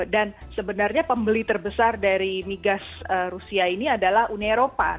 dan sebenarnya pembeli terbesar dari migas rusia ini adalah uni eropa